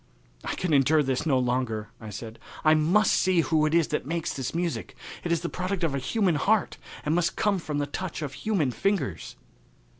"I can endure this no longer," I said. "I must see who it is that makes that music. It is the product of a human heart and must come from the touch of human fingers."